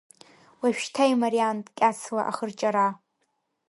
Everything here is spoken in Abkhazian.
Уажәшьҭа имариан ткьацла ахырҷара.